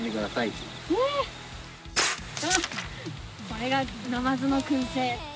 これがナマズのくん製。